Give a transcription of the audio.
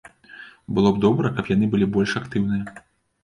Было б добра, каб яны былі больш актыўныя.